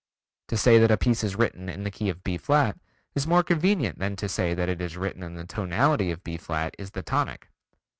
To say that a piece is written in the key of B[flat] is more convenient than to say that it is written in the tonality of which B[flat] is the tonic.